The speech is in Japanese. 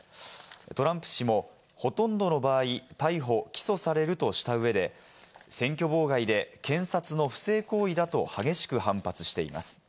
トランプ氏もほとんどの場合、逮捕・起訴されるとした上で選挙妨害で検察の不正行為だと激しく反発しています。